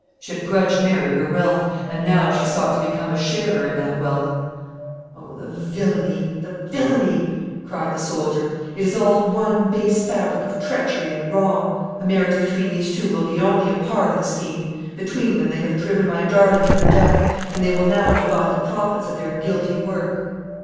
She had grudged Mary her wealth, and now she sought to become a sharer in that wealth. "Oh, the villany, the villany!" cried the soldier. "It is all one base fabric of treachery and wrong. A marriage between these two will be only a part of the scheme. Between them they have driven my darling to her death, and they will now divide the profits of their guilty work."